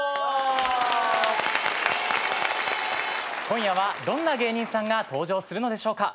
今夜はどんな芸人さんが登場するのでしょうか。